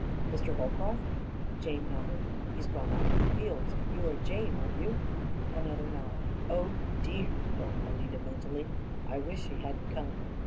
"Mr. Holcroft?" Jane nodded. "He's gone out to the fields. You are Jane, aren't you?" Another nod. "Oh, DEAR!" groaned Alida mentally; "I wish she hadn't come."